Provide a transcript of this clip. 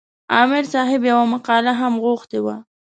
عامر صاحب یوه مقاله هم غوښتې وه.